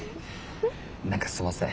何かすんません。